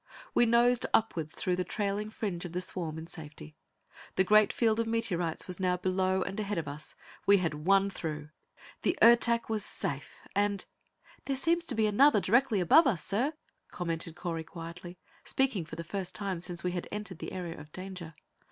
We nosed upward through the trailing fringe of the swarm in safety. The great field of meteorites was now below and ahead of us. We had won through! The Ertak was safe, and "There seems to be another directly above us, sir," commented Correy quietly, speaking for the first time since we had entered the area of danger.